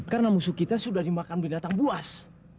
karena musuh kita sudah dimakan binatang buas